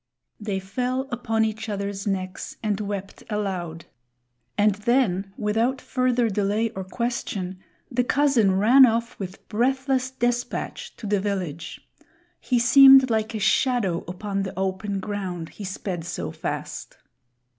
They fell upon each other's necks and wept aloud. And then, without further delay or question, the cousin ran off with breathless despatch to the village. He seemed like a shadow upon the open ground, he sped so fast.